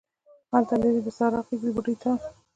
هلته لیرې د سارا غیږ د بوډۍ ټال